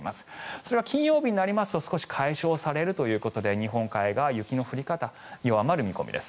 それが金曜日になりますと少し解消されるということで日本海側は雪の降り方が弱まる見込みです。